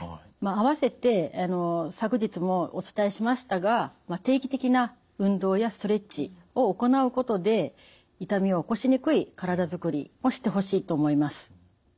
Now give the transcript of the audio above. あわせて昨日もお伝えしましたが定期的な運動やストレッチを行うことで痛みを起こしにくい体づくりをしてほしいと思います。